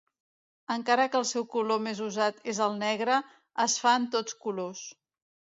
Encara que el seu color més usat és el negre, es fa en tots colors.